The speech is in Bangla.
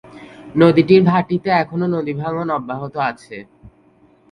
নদীটির ভাটিতে এখনও নদী ভাঙ্গন অব্যাহত আছে।